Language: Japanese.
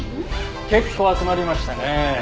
結構集まりましたね。